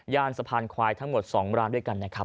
สะพานควายทั้งหมด๒ร้านด้วยกันนะครับ